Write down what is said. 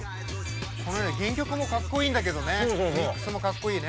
原曲もかっこいいんだけどねリミックスもかっこいいね。